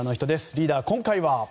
リーダー、今回は？